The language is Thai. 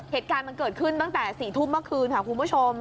เหตุการณ์มันเกิดขึ้นตั้งแต่๔ทุ่มเมื่อคืนค่ะคุณผู้ชม